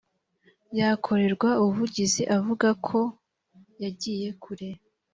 yakorerwa ubuvugizi avuga ko yagiye kure